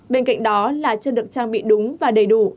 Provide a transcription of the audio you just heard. bên cạnh đó là chưa được trang bị đúng và đầy đủ